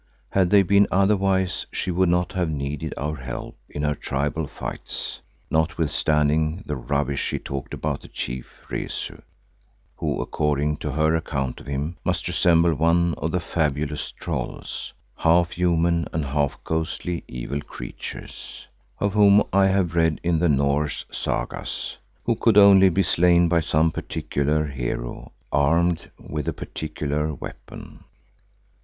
Had they been otherwise she would not have needed our help in her tribal fights, notwithstanding the rubbish she talked about the chief, Rezu, who according to her account of him, must resemble one of the fabulous "trolls," half human and half ghostly evil creatures, of whom I have read in the Norse Sagas, who could only be slain by some particular hero armed with a particular weapon.